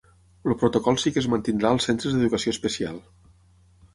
El protocol sí que es mantindrà als centres d’educació especial.